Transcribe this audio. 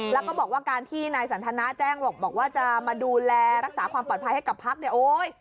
แล้วก็บอกว่าการที่นายสันทนาแจ้งบอกว่าจะมาดูแลรักษาความปลอดภัยให้กับพักเนี่ยโอ๊ย